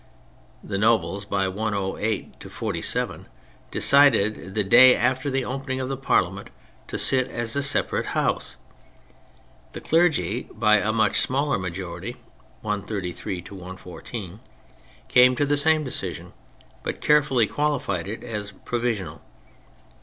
The Nobles, by 108 to 47, decided, the day after the opening of the Parliament, to sit as a separate House. The Clergy, by a much smaller majority, 133 to 114, came to the same decision, but carefully qualified it as provisional.